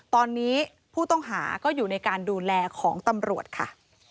ตอนนี้ผู้ต้องหาก็อยู่ในการดูแลของตำรวจค่ะ